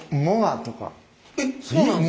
えっそうなんですか？